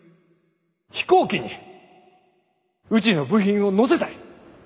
飛行機にうちの部品を載せたい。